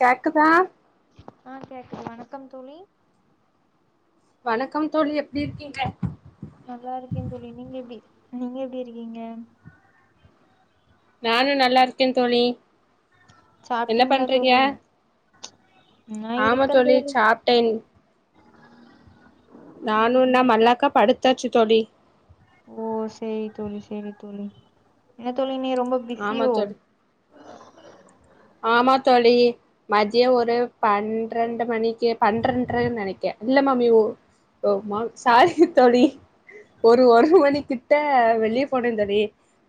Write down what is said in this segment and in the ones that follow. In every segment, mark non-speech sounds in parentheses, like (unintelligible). கேக்குதா ஆ கேக்குது வணக்கம் தோழி வணக்கம் தோழி எப்டி இருக்கீங்க நல்லாருக்கே தோழி நீங்க எப்டி நீங்க எப்டிருக்கீங்க நானு நல்லாருக்கே தோழி என்ன சாப்ட்டீங்களா பண்றீங்க தோழி நா ஆமா இருக்கே தோழி சாப்ட்டே ம் நானுனா மல்லாக்கா படுத்தாச்சு தோழி ஓ சேரி தோழி சேரி தோழி என்ன தோழி நீ ரொம்ப ஆமா பிஸியோ தோழி ஆமா தோழி மதியோ ஒரு பன்ரண்டு மணிக்கு பண்ரண்ர நெனைக்கே இல்ல மாமி ஒ ஓமா சாரி தோழி ஒரு ஒரு மணி கிட்ட வெளிய போனே தோழி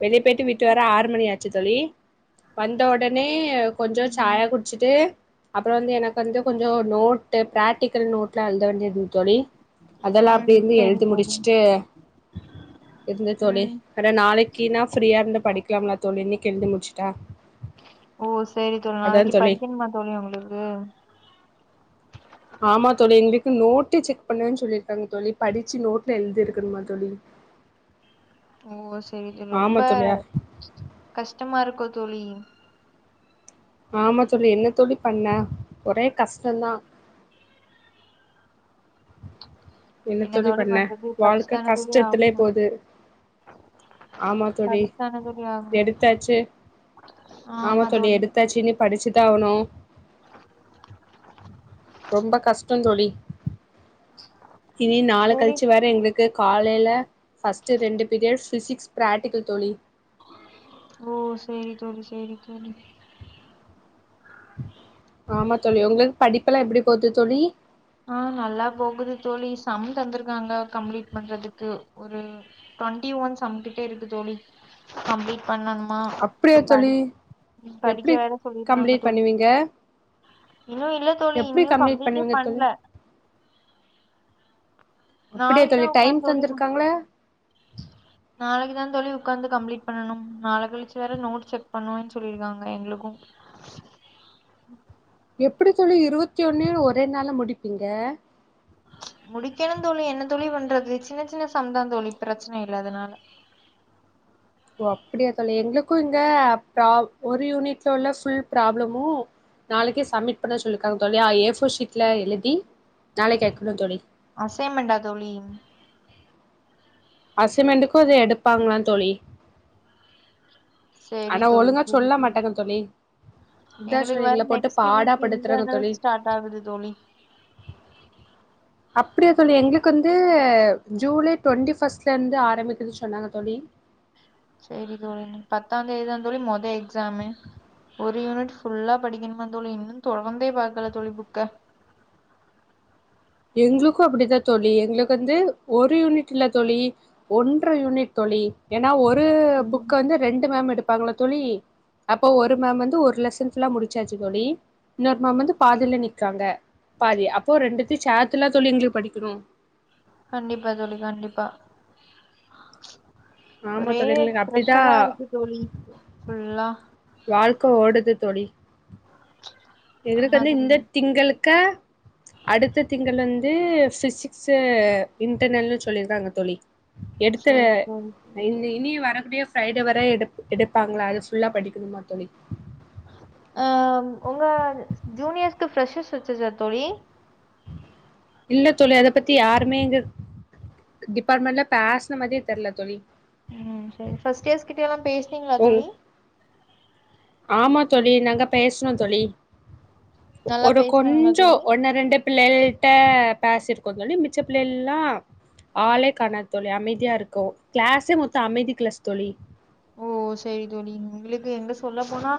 வெளிய போயிட்டு வீட்டு வர ஆறு மணி ஆச்சு தோழி வந்த ஒடனே கொஞ்சோ ம் சாயா குட் ச்சிட்டு அப்பறோ வந்து எனக்கு வந்து கொஞ்சோ நோட்டு் ப்ராக்டிக்கல் நோட்ல எழுத வேண்டியது தோழி அதெல்லா ம் அப்டிருந்து சேரி எழ்தி தோழி முடிச்சுட்டு இருந்த தோழி ம் வேற நாளைக்குன்னா ஃப்ரீயாருந்து படிக்கலாம்லா தோழி இன்னைக்கு எழுதி முடிச்சுட்டா ஓ சேரி தோழி அதா நாளைக்கு தோழி படிக்கணுமா தோழி உங்களுக்கு ஆமா தோழி எங்களுக்கு நோட்டு செக் பண்ணுவே சொல்லிருக்காங்க தோழி படிச்சு நோட்ல எழ்திருக்குணுமா தோழி ஓ சேரி ரொம்ப ஆமா தோழியா கஷ்டமாருக்கோ தோழி ஆமா தோழி என்ன தோழி பண்ண ஒரே கஷ்டந்தா என்ன தோழி பண்றது படிச்தான தோழி ஆவணு ஆமாத் தோழி எடுத்தாச்சு ஆமா தோழி எடுத் தாச்சி இனி படிச்சுட்டு தா ஆவணு (unintelligible) ரொம்ப கஷ்டந்தோழி இனி நாள சேரி கழிச்சு வேற எங்ளு க்கு காலைல ஃபர்ஸ்ட்டு ரெண்டு பீரியட் ஃபிசிக்ஸ் பிராக்டிக்கல் தோழி ஓ சேரி தோழி சேரி தோழி ஆமா தோழி உங்களுக் படிப்பலா எப்படி போது தோழி ஆ நல்லா போகுது தோழி சம் தந்திருக்காங்க கம்ளீட் பண்றதுக்கு ஒரு டொண்ட்டி ஒன் சம்க்கிட்டே இருக்கு தோழி கம்ளீட் பண்ணணுமா அப்டியா தோழி படி படிக்க எப்டி வேற சொல்லிருக்காங்க கம்ப்ளீட் தோழி பண்ணுவீங்க இன்னு இல்ல தோழி எப்டி இனியு கம்ப்ளீட் கம்ப்ளீட்டே பண்ணுவீங்க தோழி பண்ல அப்படியா நாளைக்குதா தோழி உக்கா டைம் சொல்லிக்கா தந்திருக்காங்களா நாளைக்கு தா தோழி உக்காந்து கம்ளீட் பண்ணனும் நாள கழிச்சு வேற நோட் செக் பண்ணுவேன் சொல்லிருக்காங்க எங்களுக்கு எப்படி தோழி இருபத்தி ஒன்னயு ஒரே நாள்ல முடிப்பீங்க முடிக்கணு தோழி என்ன தோழி பண்றது சின்ன சின்ன சம்தா தோழி பிரச்சன இல்ல அதனால ஓ அப்டியா தோழி எங்ளுக்கு இங்க ப ஒரு யூனிட்ல உள்ள ஃபுல் ப்ராப்ளமு நாளைக்கு சமிட் பண்ண சொல்லிக்காங்க தோழி ஏ ஃபோர் ஷீட்ல எழுதி நாளைக்கு வைக்கணு தோழி அசைமெண்டா தோழி அசமெண்டுக்கு இது எடுப்பாங்ளா தோழி சேரி ஆனா தோழி ஒழுங்கா சேரி சொல்ல தோழி மாட்டாங்க இதா எங்ளுக்கு சொல்லி வர்ற எங்கள போட்டு நெக்ஸ்ட் பாடா வீக் படுத்துறாங்க இன்டர்னல் தோழி ஸ்டார்ட் ஆகுது தோழி (unintelligible) அப்டியா தோழி எங்ளுக்கு வந்து ஜூலை டுவென்ட்டி ஃபர்ஸ்ட்லருந்து ஆரம்பிக்குது சொன்னாங்க தோழி சேரி தோழி நீங் பத்தாத்தேதி தா தோழி மொத எக்ஸாமு ஒரு யூனிட் ஃபுல்லா படிக்கணுமா தோழி இன்னு தொறந்தே பாக்கல தோழி புக்க எங்ளுக்கு அப்டித்தா தோழி எங்ளுக்கு வந்து ஒரு யூனிட் இல்ல தோழி ஒன்ற யூனிட் தோழி ஏன்னா ஒரு ம் புக்க வந்து ரெண்டு மேம் எடுப்பாங்ளா தோழி அப்போ ஒரு மேம் வந்து ஒரு லெசன் ஃபுல்லா முடிச்சாச்சு தோழி இன்னொரு மேம் வந்து பாதில நிக்காங்க பாதி அப்போ ரெண்டுத்தையு சேத்துல தோழி எங்ளுக் படிக்கணு கண்டிப்பா தோழி கண்டிப்பா ஆமா ஒரே தோழி எங்களுக்கு அப்டிதா பிரஷரா இருக்கு தோழி ஃபுல்லா வாழ்க்க ஓடுது தோழி (inaudible) எங்ளுக்கு வந்து தோழி இந்த திங்களுக்க அடுத்த திங்கள் வந் து பிசிக்ஸ் இன்டர்னெல்னு சொல்லிருக்காங்க தோழி எடுத்து சரி தோழி சரி இனி தோழி இனி வரக்கூடிய ஃப்ரைடே வர எடுப் எடுப்பாங்ளா அது ஃபுல்லா படிக்கணுமா தோழி ஆ ஒங்க ஜூனியர்ஸ்க்கு ஃப்ரெஷர்ஸ் வச்சுருச்சா தோழி இல்ல தோழி அத பத்தி யாருமே இங்க டிபார்ட்மெண்ட்ல பேச்ன மாதிரியே தெர்ல தோழி ம் சேரி ஃபஸ்ட் டேஸ் கிட்ட எல்லா பேச்னீங்ளா ஓ தோழி ஆமா தோழி நாங்க பேச்னோ தோழி நல்லா ஒரு பேசுனாங்களா கொஞ்சோ தோழி ஒன்னு ரெண்டு பிள்ளைல்ட்ட பேசிருக்கோ தோழி மிச்ச பிள்ளைல்லா ஆளே கானாத் தோழி அமைதியா இருக்கு கிளாஸே மொத்தோ அமைதி கிளாஸ் தோழி ஓ சேரி தோழி உங்ளுக்கு இங்க சொல்ல போனா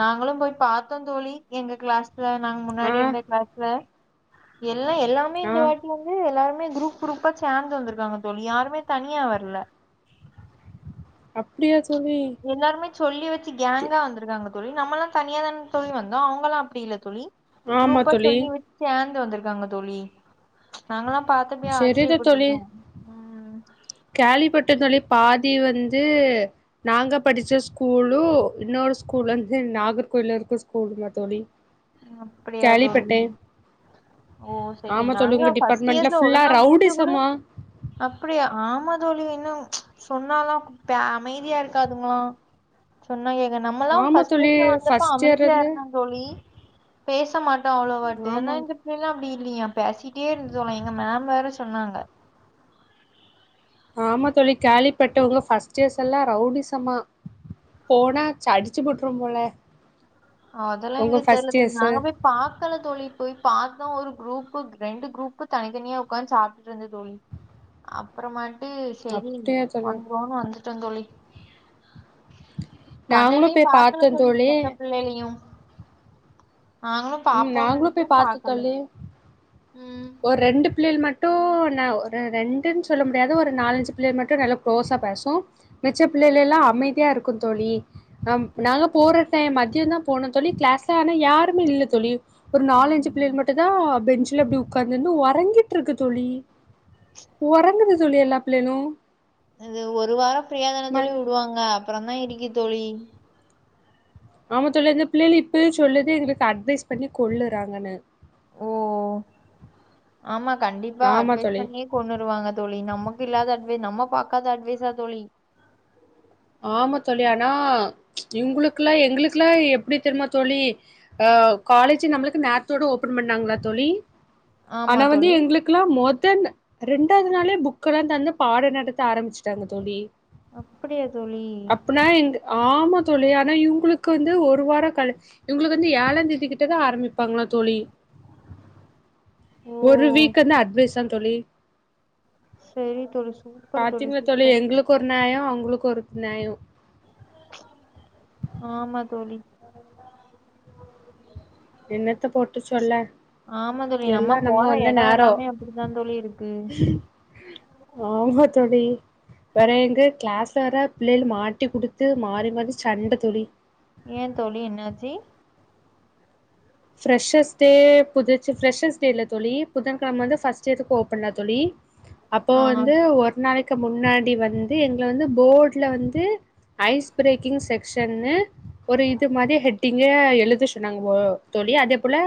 நாங்களு போய் பாத்தோ தோழி எங்க கிளாஸ் ல நாங்க ஆ முன்னாடி இருந்த கிளாஸ்ல எல்லா எல்லாமே ஆ இந்த வாட்டி வந் து எல்லாருமே குரூப் குரூப்பா சேந்து வந்திருக்காங்க தோழி யாருமே தனியா வர்ல அப்டியா சோழி எல்லாருமே சொல்லி வச்சு கேங்கா வந்துருக்காங் தோழி நம்மல்லா தனியா தானுங் தோழி வந்தோ அவுங்களா அப்டி இல்ல தோழி ஆமா குரூப்பா தோழி சொல்லிவச் சு சேந்து வந்திருக்காங்க தோழி நாங்கல்லா பாத்தப்பயே செரிதா ஆச்ரியபட்ருப்போ கேள்விப்பட்டே தோழி பாதி வந்து நாங்க படிச்ச ஸ்கூல்லு இன்னொரு ஸ்கூல்லருந்து நாகர்கோயிலருக்க ஸ்கூலுமா தோழி ம் அப்டியா தோழி கேள்விப்பட்டேன் ஓ செரி ஆமா தோழி நாங்க உங்க ஃபர்ஸ்ட் டிபார்ட்மெண்ட்ல இயர்ஸ்ல ஃபுல்லா ஒழுங்கா மூஞ்ச கூட ரவுடிசமா அப்புடியா ஆமா தோழி இன்னு சொன்னாலா பே அமைதியா இருக்காதுங்ளா சொன்னா ஏக நம்மல்லா ஆமா ஃபர்ஸ்ட் தோழி பிளேஸ்ல வந்தப்ப ஃபர்ஸ்ட் இயர்ல அமைதியா இருந்து இருந்தோ தோழி பேச மாட்டோ அவ்ளோவாட்டி ஆமா ஆனா இந்த பிள்ளைங்லா அப்டி இல்லையா பேசிட்டே இருந்தோல எங்க மேம் வேற சொன்னாங்க ஆமா தோழி கேளிப்பட்டே ஒங்க ஃபர்ஸ்ட் இயர்ஸ் எல்லா ரௌடிசமா போனா ச அடிச்சு போட்ரு போல அதெல்லா உங்க எங்களுக்கு தெரில ஃபர்ஸ்ட் தோழி இயர்ஸு நாங்க பொய் பாக்கல தோழி போய் பாத்தா ஒரு குரூப்பு ரெண்டு குரூப்பு தனித்தனியா உக்காந் சாப்ட்டுட்ருந்த தோழி அப்புறமாட்டு செரி அப்டியா தோழி வந்துரும்வோன் வந்து ட்ட தோழி நாங்களு கண்ணுலயே போய் பாக்கல பாத்தோ தோழி எந்த பிள்ளயயு நாங்களு ம் பாப்போ நாங்களு நெனச்சோ போய் பாத்தோ பாக்கல தோழி ம் ஒரு ரெண்டு பிள்ளைகள் மட்டு ந ரெ ரெண்டுன் சொல்ல முடியாது ஒரு நாலஞ்சு பிள்ளைகள் மட்டு நல்லா குளோஸா பேசு மிச்ச பிள்ளைல எல்லா அமைதியா இருக்கு தோழி நம் நாங்க போற டைம் மத்தியொ தா போனோ தோழி கிளாஸ்ல ஆனா யாருமே இல்ல தோழி ஒரு நாலுஞ்சு ம் பிள்ளைகள் மட்டுதா பெஞ்சுல அப்டி உக்காந்துருந்து ஒறங்கிட்டு இருக்கு தோழி ஒறங்குது தோழி எல்லா பிள்ளைளு இது ஒரு வார ஃபிரியா தான தோழி விடுவாங்க அப்புறோ தா இருக்கு தோழி ஆமா தோழி அந்த பிள்ளைகள் இப்பவே சொல்லுது எங்களுக்கு அட்வைஸ் பண்ணி கொல்லுறாங்கன்னு ஓ ஆமா கண்டிப்பா ஆமா அட்வைஸ் தோழி. பண்ணியே கொண்ணுருவாங்க தோழி நமக்கு இல்லாத அட்வைஸ் நம்ம பாக்காத அட்வைஸா தோழி ஆமா தோழி ஆனா இவுங்களுக்குல்லா எங்களுக்குல்லா எப்டி தெரியுமா தோழி ஆ காலேஜ் நம்மளுக்கு நேத்தோட ஓபன் பண்ணாங்களா தோழி ஆமா ஆனா வந்து தோழி எங்களுக் குலா மொதன் ரெண்டாவது நாளே புக்க எல்லா தந்து பாட நடத்த ஆரம்பிச்சுட்டாங்க தோழி அப்படியா தோழி அப்பனா எங்க் ஆமா தோழி ஆனா இவங்களுக் கு வந்து ஒரு வார கழ இவங்களுக்கு வந்து ஏழா தேதி கிட்டதா ஆரம்பிப்பாங்களா தோழி ஓ ஒரு வீக் வந்து அட்வைஸா தோழி சரி தோழிச் பாத்தீங்களா தோழி எங்களுக்கு ஒரு நியாயோ அவங்களுக்கு ஒரு நியாயோ ஆமா தோழி என்னத்த போட்டு சொல்ல ஆமா தோழி நம்ம எல்லாம் போற வந்து எடொ நேரோ எல்லாமே அப்டித்தா தோழி இருக்கு ஆம தோழி வேற எங்க கிளாஸ்ல வெர பிள்ளைகள் மாட்டி கொடுத்து மாறி மாறி சண்ட தோழி ஏ தோழி என்னாச்சி ஃப்ஷ்ஷர்ஸ் டே புதுச்சு ஃப்ஷ்ஷர்ஸ் டே இல்ல தோழி புதன்கெழம வந்து ஃபஸ்ட் இயர்ஸுக்கு ஓப்பனா தோழி அப்போ ஆ வந்து ஒரு நாளைக்கு முன்னாடி வந்து எங்கள வந்து போட்ல வந்து ஐஸ் பிரேக்கிங் செக்ஷன்னு ஒரு இது மாரி ஹெட்டிங்க எழுத சொன்னாங்க போ தோழி அதே போல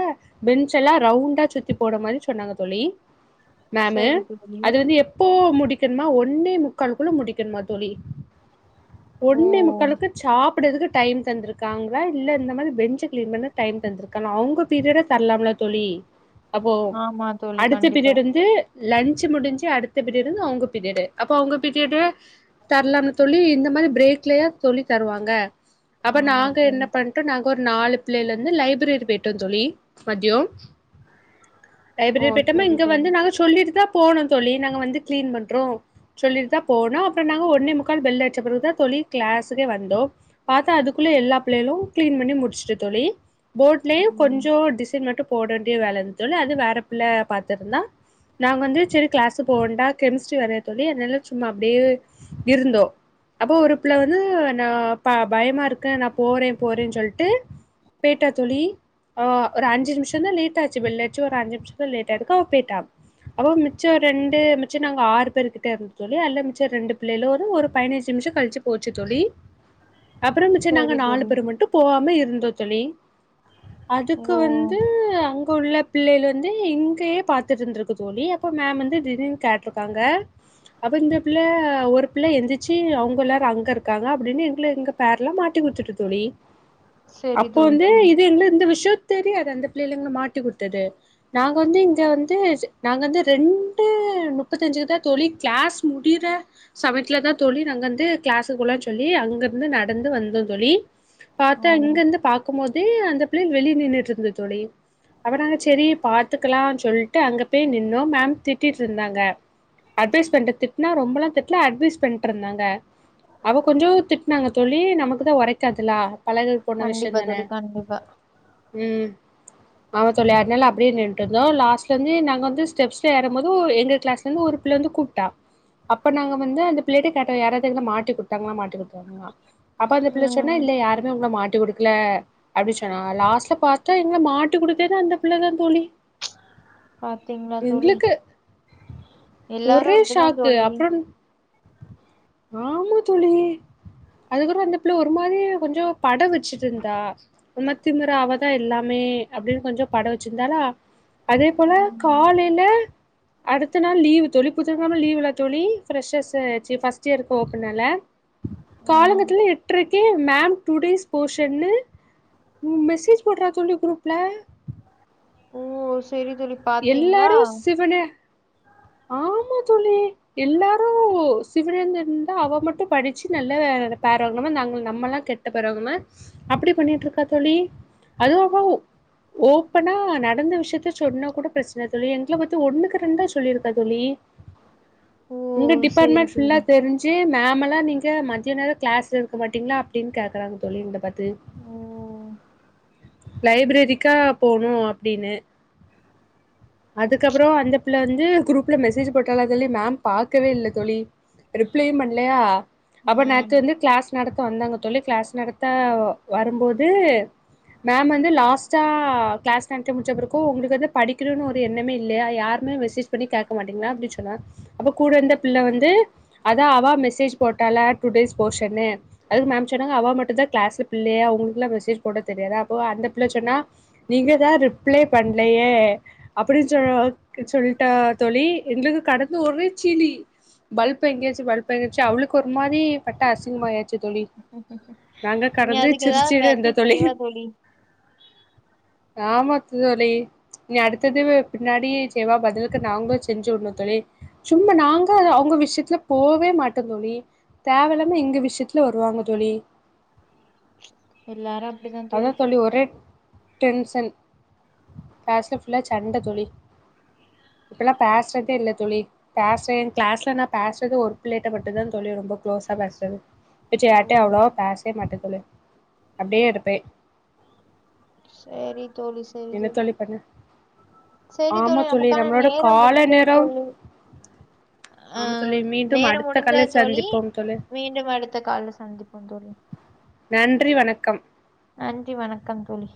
பென்ச் எல்லா ரவுண்டா சுத்தி போட மாரி சொன்னாங்க தோழி மேமு சரி தோழி அது வந்து எ இப்போ முடிக்கணுமா ஒன்னே முக்கால்குள்ள முடிக்கணுமா தோழி ஓ ஒண்ணே முக்காளுக்கு சாப் டதுக்கு டைம் தந்துருக்காங்களா இல்ல இந்த மாரி பெஞ்சு கிளீன் பண்ண டைம் தந்துரு கணு அவங்க பீரியட தரலாம்ல தோழி அப்போ ஆமா தோழி அடுத்த கண்டிப்பா பீரியட் வந்து லன்சு முடிஞ்சு அடுத்த பீரியடு வந்து அவங்க பீரியடு அப்போ அவங்க பீரியடு தர்லால தோழி இந்த மாரி பிரேக்லயா தோழி தருவாங்க அப்ப ஆமா நாங்க என்ன தோழி பண் ட்டு நாங்க ஒரு நாலு பிள்ளைல இருந்து லைப்ரரி போயிட்டோ தோழி மத்தியோ ஓ லைப்ரரி போய்ட்டோமா சரி இங்க தோழி வந்து நாங்க சொல்லிட்டு தா போனோ தோழி நாங்க வந்து கிளீன் பண்றோ சொல்லிட்டுதான் போனோம் அப்புறோம் நாங்க ஒன்னே முக்கால் பெல் அடச்ச பிறகுதான் தோழி கிளாஸுக்கே வந்தோம் பாத்தா அதுக்குள்ள எல்லா பிள்ளைகளும் கிளீன் பண்ணி முடிச்சுட்டு தோழி போர்ட் ல ம் கொஞ்சோம் டிசைன் மட்டும் போடண்டிய வேலை இருந்து தோழி அது வேற பிள்ள பாத்திருந்தா நா வந்து சரி கிளாஸு போகவேண்டா கெமிஸ்ட்ரி வரைய சொல்லி அதனாலே சும்மா அப்டியே இருந்தோ அப்போ ஒரு பிள்ள வந்து நா ப பயமா இருக்கேன் நா போறே போறேன்னு சொல்ட்டு போய்ட்டா தோழி ஆ ஒரு அஞ்சு நிமிஷம் தா லேட் ஆச்சு பெல்லட்ச்சி ஒரு அஞ்ச நிமிஷோ தா லேட் அதுக்கு அவ போயிட்டா அப்போ மிச்சோம் ரெண் டு மிச்ச நாங்க ஆறு பேரு கிட்ட இருந்தோ தோழி அதுல மிச்ச ரெண்டு பிள்ளையிலும் ஒரு பதினஞ்சு நிமிஷோம் கழிச்சு போச்சு தோழி அப்புறோ மிச்ச சரி நாங்க நாலு தோழி பேர் மட்டும் போவாம இருந்தோ தோழி அதுக்கு ஓ வந்து அ ங்க உள்ள பிள்ளைகள் வந்து இங்கயே பாத்துட்டு இருந்திருக்கு தோழி அப்போ மேம் வந்து தீடிர்னு கேட்ருக்காங்க அப்ப இந்த பிள்ள ஒரு பிள்ளை எந்திருச்சு அவ்ங்க எல்லாரும் அங்க இருக்காங்க அப்டின்னு எங்கள எங்க பேர்லா மாட்டி விட்டுட்டு தோழி (inaudible) அப்போ தோழி வந்து சரி இது எங்களுக்கு இந்த விஷயோம் தெரியாது அந்த பிள்ளைல எங்கள மாட்டி குடுத்தது நாங்க வந்து இங்க வந்து நாங்க வந்து ரெண்டு முப்பத்தஞ்சுக்கு தான் தோழி கிளாஸ் முடிற சமயத்துலதான் தோழி நாங்க வந்து கிளாஸுக்குள்ள சொல்லி அங்கிருந்து நடந்து வந்தோம் தோழி ஓ பாத்தா இங்க இருந்து பாக்கும் போதே அந்த பிள்ளைகள் வெளில நின்னுட்டு இருக்கு தோழி அதனால சேரி பாத்துக்கலாம் சொல்ட்டு அங்க போய் நின்னோம் மேம் திட்டிக்கிட்டு இருந்தாங்க அட்வைஸ் பண்ண திட்னா ரொம்பெல்லாம் திட்டல அட்வைஸ் பண்ணிட்டு இருந்தாங்க அவ கொஞ்சோம் திட்டினாங்க தோழிலி நமக்கு தான் உரைக்காதுல பழகி போன கண்டிப்பா விஷயோம் தான தோழி கண்டிப்பா உம் ஆமா தோழி அதனால அப்டியே நின்னுட்டு இருந்தோம் லாஸ்ட் ல இருந்து நாங்க வந்து ஸ்டெப்ஸ் ல ஏற போது எங்க கிளாஸ்ல வந்து ஒரு பிள்ளை வந்து கூப்ட்டா அப்ப நாங்க வந்து அந்த பிள்ளைக் கிட்ட கேட்டோம் யாராவது எங்கள மாட்டிகுடுத்தாங்களா மாட்டி அப்ப அந்த பிள்ள சொன்னா ம் இல்ல யாருமே உங்கள மாட்டி குடுக்கல அப்டி சொன்னா லாஸ்ட்ல பாத்தா எங்கள மாட்டிக்குடுத்ததே அந்த பிள்ளதான் தோழி பாத்தீங்களா தோழி எங்களுக்கு எல்லாரு ஒரே இப்டிதா ஷாக்கு தோழி அப்றோம் ஆமா தோழி அதுக்கப்புறோம் அந்த பிள்ள ஒரு மாறி கொஞ்சோம் படவு ச்சுட்டு இருந்தா ஒருமாரி திமுரா அவதா எல்லாமே அப்டின்னு கொஞ்சம் பட வச்சிருந்தாலா அதே போல ம் காலையில அடுத்த நாள் லீவ் தோழி புதன் கிழமை லீவ்ல தோழி ஃப்ரெஷஸ் ஆயிச்சு ஃபர்ஸ்ட் இயர்க்கு ஓப்பனால ம் காலங்காத்தால எட்டுக்கு ஓகே மேம் டுடேஸ் போஷன்னு மெசேஜ் போடுறா தோழி குரூப்ல ஓ சேரி தோழி பாத்தீங்களா டிபன ஆமா தோழி எல்லாரும் சிவரேந்தன் இருந்தா அவ மட்டும் படிச்சு நல்ல பேருவாங்கணூ நாங்க நம்மெல்லாம் கெட்ட பிறகும அப்டி பண்ணிட்டு இருக்கா தோழி அது அவ ஓபனா நடந்த விஷயத்த சொன்னா கூட பிரச்சனை தோழி எங்கள பத்தி ஒண்ணுக்கு ரெண்டா சொல்லிரு க்கா தோழி ஓ எங்க சரி டிபார்ட்மெண்ட் ஃபுல்லா தோழி தெரிஞ்சு ச்சு மேம் எல்லாம் நீங்க மதிய நேரோம் கிளாஸ்ல இருக்க மாட்டீங்களா அப்டின்னு கேக்குறாங்க தோழி இந்த பத் த்து உம் ஓ லைப்ரேரிக்கா போனும் அப்டின்னு அதுக்கப்புறோ அந்த பிள்ள வந்து குரூப்ல மெசேஜ் போட்டால தோழி மேம் பாக்கவே இல்ல தோழி ரிப்ளையும் பண்லையா அப்றோ ம் நேத்து வந்து கிளாஸ் நடத்த வந்தாங்க தோழி கிளாஸ் நடத்த வரும்போது மேம் வந்து லாஸ்ட் டா கிளாஸ் நடத்தி முட்ச்ச பிறகு உங்களுக்கு வந்து படிக்கணு ஒரு எண்ணமே இல்லையா யாருமே மெசெஜ் பண்ணி கேட்க மாட்டீங்களா அப்டி சொன்னா அப்போ கூட இருந்த பிள்ள வந்து அதா அவா மெசேஜ் போட்டால டுடேஸ் போஷன்னு அதுக்கு மேம் சொன்னாங்க அவா மட்டு தா கிளாஸ்ல பிள்ளையா உங்களுக்கெல்லா மெசேஜ் போட தெரியாத அப்போ அந்த பிள்ள சொன்னா நீங்க தா ரிப்ளே பண்லையே அப்டின்னு சொ சொல்ட்டா தோழி எங்களுக்கு கடந்து ஒரேசிலி பல்ப் எங்கயாச்சு பல்ப் எங்கயாச்சு அவ்ளுக்கு ஒரு மாரி பட்ட அசிங்கமாய ச்சு தோழி நாங்க நீங்க கடந்து அதுக்கு ஏதாவது வச்சு சிரிச்சிட்டேந்த தோழி செய்வா ஆமா தோழி நீ அடுத் ததுவே பின்னாடியே செய்வா பதிலுக்கு நாங்களு செஞ்சு உட்னு தோழி சும்மா நாங்க அவுங்க விஷயத்துல போவே மாட்டோ தோழி தேவ இல்லாம எங்க விஷயத்துல வருவாங்க தோழி எல்லாரு அப்டிதா அதா தோழி ஒரே டென்சன் கிளாஸ்ல ஃபுல்லா சண்ட தோழி இப்ப எல்லா பேசறதே இல்ல தோழி பேசே எங் கிளாஸ்ல நா பேஸ்றது ஒரு புள்ளட்ட மட்டு தா தோழி ரொம்ப க்ளோஸா பேசுறது மிச்ச ஓ யார்டயு அவ்ளோவா பேசவே மாட்ட தோழி அப்டியே இருப்பே சேரி தோழிஸ் என்ன தோழி பண்ணு சரி தோழி நமக்கான நேரம் முடிந்தது நேரம் தோழி அ ஆமா தோழி மீண்டும் நேரம் அடுத்த முடிந்தது காலில் தோழி சந்திப்போம் தோழி மீண்டும் அடுத் த கால்ல சந்திப்போ தோழி நன்றி வணக்கம் நன்றி வணக்கம் தோழி